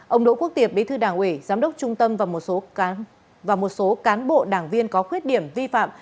ông đỗ quốc tiệp bí thư đảng ủy giám đốc trung tâm và một số cán bộ đảng viên có khuyết điểm vi phạm